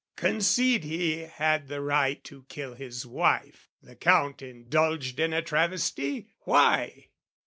Concede he had the right to kill his wife: The Count indulged in a travesty; why?